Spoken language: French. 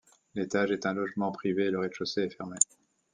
L'étage est un logement privé et le rez-de-chaussée est fermé.